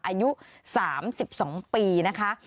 อายุ๓๒ปีนะคะ